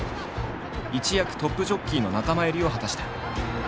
一躍トップジョッキーの仲間入りを果たした。